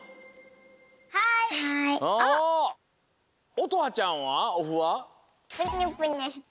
おとはちゃんはおふは？